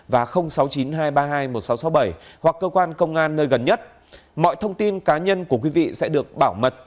và sáu mươi chín hai trăm ba mươi hai một nghìn sáu trăm sáu mươi bảy hoặc cơ quan công an nơi gần nhất mọi thông tin cá nhân của quý vị sẽ được bảo mật